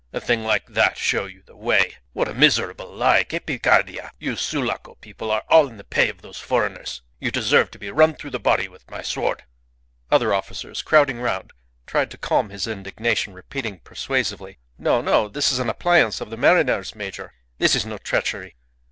A thing like that show you the way! What a miserable lie! Que picardia! You Sulaco people are all in the pay of those foreigners. You deserve to be run through the body with my sword." Other officers, crowding round, tried to calm his indignation, repeating persuasively, "No, no! This is an appliance of the mariners, major. This is no treachery."